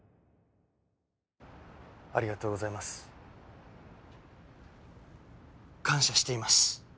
ありがとうございます。感謝しています。